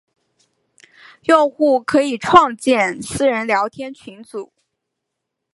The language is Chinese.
用户可以创建私人聊天群组。